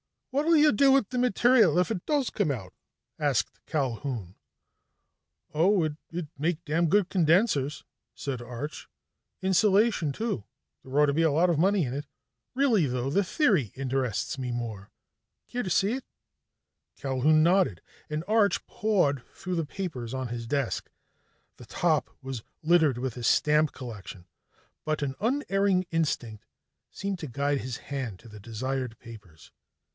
"What'll you do with the material if it does come out?" asked Culquhoun. "Oh it'd make damn good condensers," said Arch. "Insulation, too. There ought to be a lot of money in it. Really, though, the theory interests me more. Care to see it?" Culquhoun nodded, and Arch pawed through the papers on his desk. The top was littered with his stamp collection, but an unerring instinct seemed to guide his hand to the desired papers.